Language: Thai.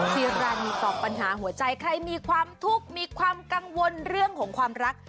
ซีรานีตอบปัญหาหัวใจใครมีความทุกข์มีความกังวลเรื่องของความรัก